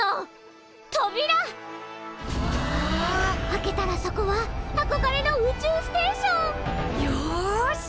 開けたらそこはあこがれの宇宙ステーション！よし！